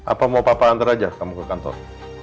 apa mau papa hantar aja kamu ke kantor